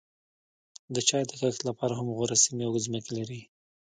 د چای د کښت لپاره هم غوره سیمې او ځمکې لري.